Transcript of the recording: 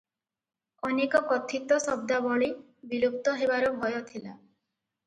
ଅନେକ କଥିତ ଶବ୍ଦାବଳୀ ବିଲୁପ୍ତ ହେବାର ଭୟ ଥିଲା ।